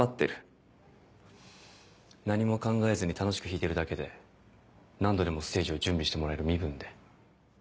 何も考えずに楽しく弾いてるだけで何度でもステージを準備してもらえる身分で？